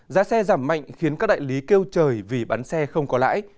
giá xe giảm mạnh khiến các đại lý kêu trời vì bán xe không có lãi